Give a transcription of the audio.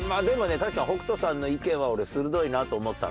確かに北斗さんの意見は俺鋭いなと思ったの。